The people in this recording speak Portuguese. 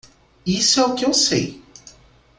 Isso é o que eu sei.